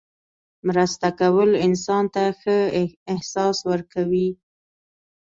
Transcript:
مرسته کول انسان ته ښه احساس ورکوي.